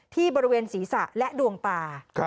ที่บริเวณศีรษะและดวงตา